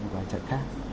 vài trận khác